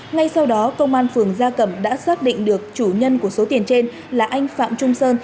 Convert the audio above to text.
ngay sau đó công an phường gia cẩm đã xác định được chủ nhân của số tiền trên là anh phạm trung sơn